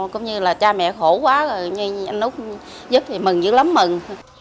cũng như là cha mẹ khổ quá rồi nhưng anh úc giúp thì mừng dữ lắm mừng